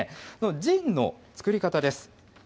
ジンの造り方です。